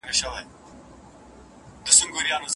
کومه ميرمن به جنت ته ځي؟